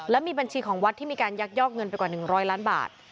และมีบัญชีของวัดที่มีการยักยอกเงินไปกว่า๑๐๐ล้านบาท